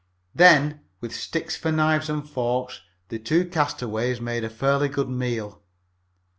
Then, with sticks for knives and forks, the two castaways made a fairly good meal.